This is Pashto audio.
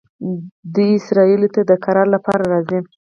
دوی اسرائیلو ته د کار لپاره راځي.